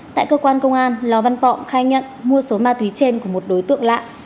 tại cơ quan công an lò văn vọng khai nhận mua số ma túy trên của một đối tượng lạ